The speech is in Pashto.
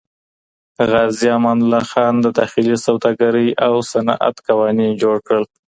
غازي امان الله خان د داخلي سوداګرۍ او صنعت قوانین جوړ کړل.